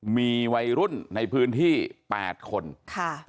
มีวัยรุ่นในพื้นที่๘คนค่ะ